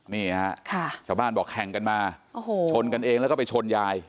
นี่ฮะชาวบ้านบอกแข่งกันมาโอ้โหชนกันเองแล้วก็ไปชนยาย